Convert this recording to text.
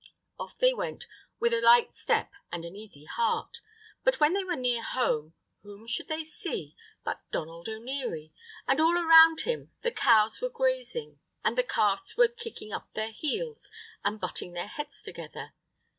Off they went, with a light step and an easy heart, but when they were near home, whom should they see but Donald O'Neary, and all around him the cows were grazing, and the calves were kicking up their heels and butting their heads together.